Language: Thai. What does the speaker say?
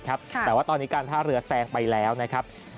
แต่ว่าตอนนี้การท่าเรือแซงไปแล้วนะครับ